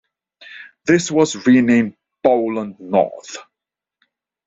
This was renamed "Bowland North".